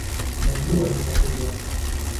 Anayejua ni mwokozi wangu